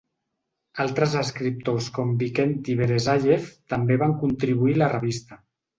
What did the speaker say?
Altres escriptors com Vikenty Veresayev també van contribuir a la revista.